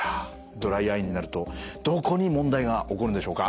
ドライアイになるとどこに問題が起こるんでしょうか。